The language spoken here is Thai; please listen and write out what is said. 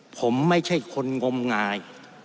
ผมไม่ใช่คนงมงาย